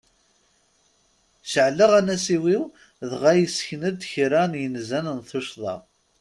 Ceɛleɣ anasiw-iw dɣa yesken-d kra n yiznan n tuccḍa.